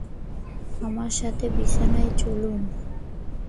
আমার সাথে বিছানায় চলুন।